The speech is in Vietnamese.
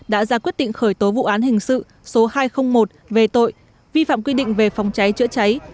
đã ra quyết định khởi tố vụ án hình sự số hai trăm linh một về tội vi phạm quy định về phòng cháy chữa cháy